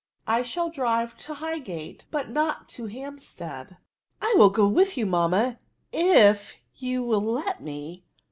I shall drive to Highgate, but not to Hampstead." " I will go with you, mamma, if you will let me.